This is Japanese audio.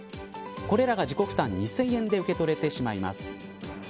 これらが自己負担２０００円で受け取れてしまいます。